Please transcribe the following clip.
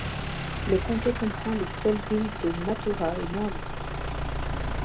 Le comté comprend les seules villes de Mathoura et Moama.